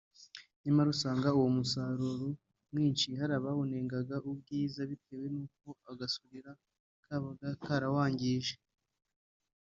nyamara usanga uwo musaruro mwinshi hari abawunegaga ubwiza bitewe n’uko agasurira kabaga karawangije